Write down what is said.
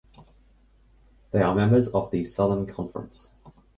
They are members of the Southern Conference.